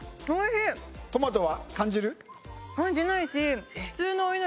トマトは感じる？